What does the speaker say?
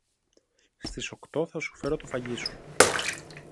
Στις οκτώ θα σου φέρω το φαγί σου